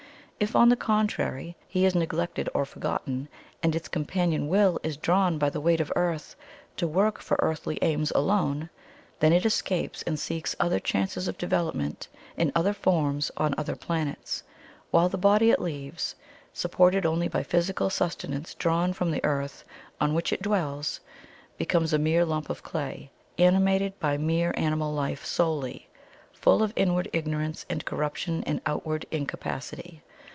If, on the contrary, he is neglected or forgotten, and its companion Will is drawn by the weight of Earth to work for earthly aims alone, then it escapes and seeks other chances of development in OTHER FORMS on OTHER PLANETS, while the body it leaves, SUPPORTED ONLY BY PHYSICAL SUSTENANCE DRAWN FROM THE EARTH ON WHICH IT DWELLS, becomes a mere lump of clay ANIMATED BY MERE ANIMAL LIFE SOLELY, full of inward ignorance and corruption and outward incapacity.